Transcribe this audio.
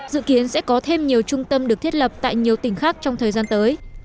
dự kiến sẽ có thêm nhiều trung tâm được thiết lập tại nhiều tỉnh khác trong thời gian tới